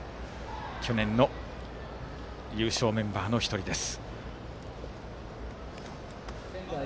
去年の優勝メンバーの１人です。